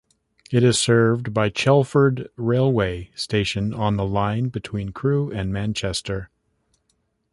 It is served by Chelford railway station on the line between Crewe and Manchester.